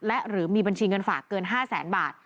และหรือมีบัญชีเงินฝากเกิน๕แสนบาท